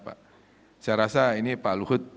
pak saya rasa ini pak luhut